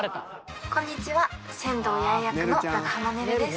こんにちは千堂八重役の長濱ねるです。